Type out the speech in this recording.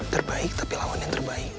terbaik tapi lawannya terbaik